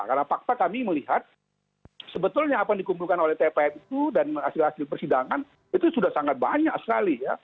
karena fakta kami melihat sebetulnya apa yang dikumpulkan oleh tpn itu dan hasil hasil persidangan itu sudah sangat banyak sekali ya